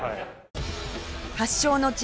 発祥の地